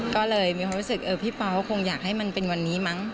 ก็เลยมีความรู้สึกพี่เป๋าคงอยากให้มันเป็นวันนี้มั้ง